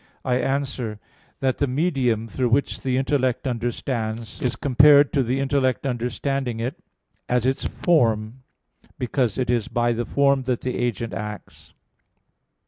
I answer that, The medium through which the intellect understands, is compared to the intellect understanding it as its form, because it is by the form that the agent acts.